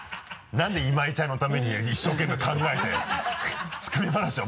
なんで今井ちゃんのために一生懸命考えて作り話を。